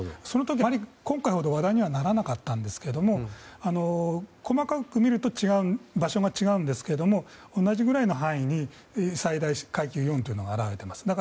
その時あまり今回ほど話題にはならなかったんですけれども細かく見ると場所が違うんですけれども同じぐらいの範囲に最大階級４というのが現れています。